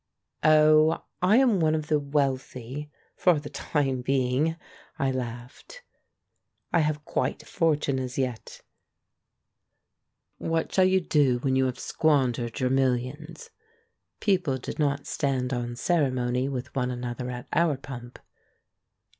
''' "Oh, I am one of the wealthy — for the time being," I laughed. "I have quite a fortune as yet." "What shall you do when you have squandered your milhons?" People did not stand on cere mony with one another at our pump.